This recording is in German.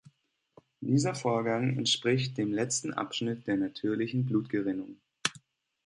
Dieser Vorgang entspricht dem letzten Abschnitt der natürlichen Blutgerinnung.